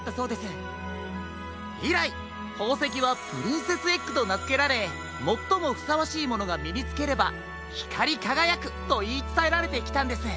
いらいほうせきはプリンセスエッグとなづけられもっともふさわしいものがみにつければひかりかがやくといいつたえられてきたんです。